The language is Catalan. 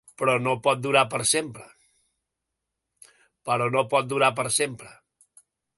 Però no pot durar per sempre.